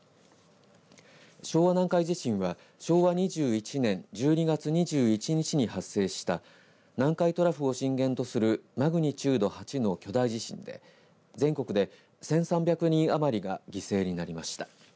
昭和南海地震は昭和２１年１２月２１日に発生した南海トラフを震源とするマグニチュード８の巨大地震で全国で１３００人余りが犠牲になりました。